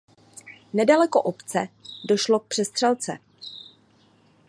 Nedaleko obce došlo k přestřelce.